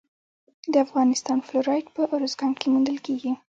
د افغانستان فلورایټ په ارزګان کې موندل کیږي.